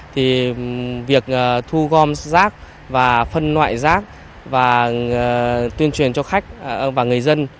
thì việc thu gom rác và phân loại rác và tuyên truyền cho khách và người dân